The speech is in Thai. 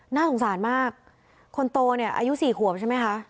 น่าสงสารมากคนโตเนี่ยอายุ๔ขวบใช่ไหมคะ